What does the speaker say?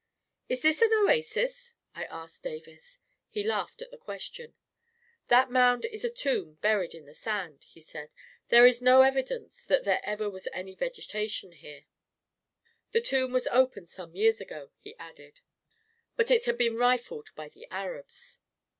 44 Is this an oasis ?" I asked Davis. He laughed at the question. 44 That mound is a tomb buried in the sand," he said u There is no evidence that there was ever any vegetation here. The tomb was opened some years ago," he added, " but it had been rifled by the Arabs."